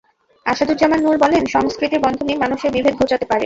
আসাদুজ্জামান নূর বলেন, সংস্কৃতির বন্ধনই মানুষের বিভেদ ঘোচাতে পারে।